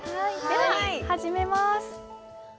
では始めます。